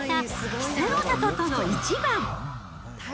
稀勢の里との一番。